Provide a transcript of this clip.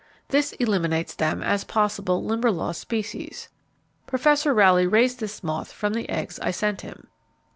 This eliminates them as possible Limberlost species. Professor Rowley raised this moth from the eggs I sent him.